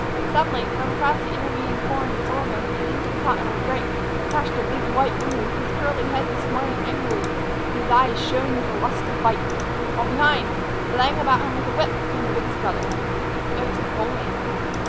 Suddenly, from across the intervening corn and sorghum and into the cottonwood break, crashed a great white bull, whose curly head was swaying angrily and whose eyes shone with the lust of fight, while behind, laying about him with a whip at every jump, came the biggest brother. It was Napoleon.